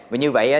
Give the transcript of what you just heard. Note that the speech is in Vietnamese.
vì như vậy á